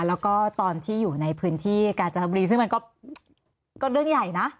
แล้วก็ตอนที่อยู่ในพื้นที่กาญจนบุรีซึ่งมันก็เรื่องใหญ่นะ